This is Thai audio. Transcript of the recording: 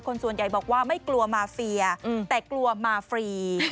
ส่วนใหญ่บอกว่าไม่กลัวมาเฟียแต่กลัวมาฟรี